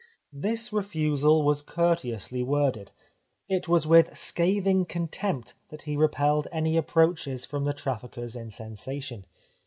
This refusal was courteously worded ; it was with scathing contempt that he repelled any approaches from the traffickers in sensation.